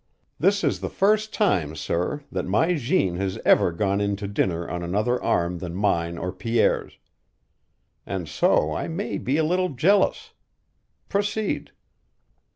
This is the first time, sir, that my Jeanne has ever gone in to dinner on another arm than mine or Pierre's. And so I may be a little jealous. Proceed."